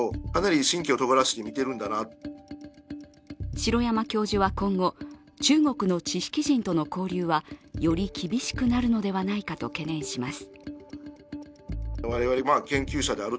城山教授は今後、中国の知識人との交流はより厳しくなるのではないかと懸念します。